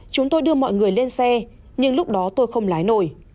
chúng tôi đưa mọi người lên xe nhưng lúc đó tôi không lái nổi